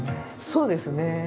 そうですね。